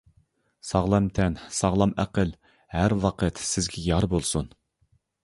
ساغلام تەن، ساغلام ئەقىل ھەر ۋاقىت سىزگە يار بولسۇن!